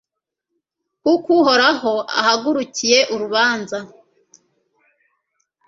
kuko Uhoraho ahagurukiye urubanza